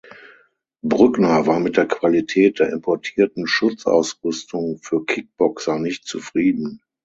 Brückner war mit der Qualität der importierten Schutzausrüstung für Kickboxer nicht zufrieden.